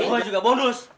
gua juga bonus